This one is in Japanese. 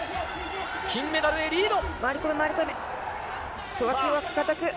金メダルへ、リード！